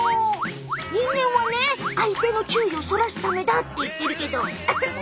人間はね相手の注意をそらすためだって言ってるけどウフー！